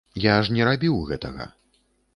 Я ж не рабіў гэтага.